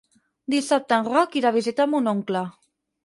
Dissabte en Roc irà a visitar mon oncle.